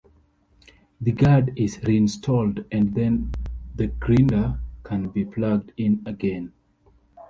The guard is reinstalled, and then the grinder can be plugged in again.